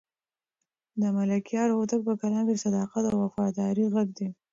د ملکیار هوتک په کلام کې د صداقت او وفادارۍ غږ دی.